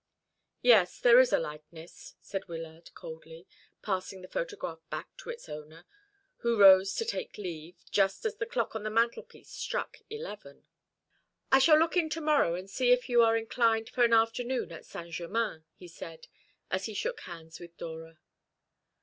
"Yes, there is a likeness," said Wyllard coldly, passing the photograph back to its owner, who rose to take leave, just as the clock on the mantelpiece struck eleven. "I shall look in to morrow, and see if you are inclined for an afternoon at Saint Germain," he said, as he shook hands with Dora.